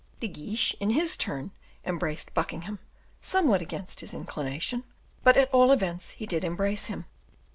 De Guiche, in his turn, embraced Buckingham somewhat against his inclination; but, at all events, he did embrace him.